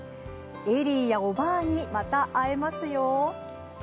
えりぃやおばあにまた会えますよ。